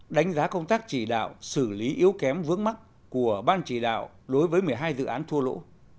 đánh giá công tác chỉ đạo xử lý yếu kém vướng mắt của ban chỉ đạo đối với một mươi hai dự án thua lỗ